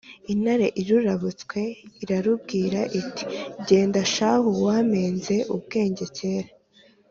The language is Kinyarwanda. intare irurabutswe, irarubwira iti «genda shahu wampenze ubwenge kare!